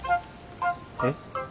えっ？